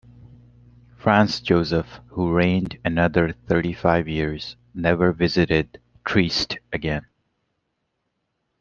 Franz Joseph, who reigned another thirty-five years, never visited Trieste again.